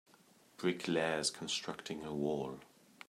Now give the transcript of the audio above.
Brick layers constructing a wall.